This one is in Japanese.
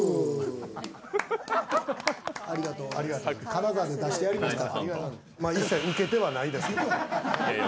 金沢で出してやりました。